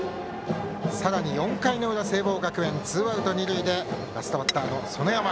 さらに４回の裏、聖望学園ツーアウト、二塁でラストバッターの園山。